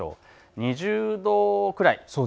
２０度くらい。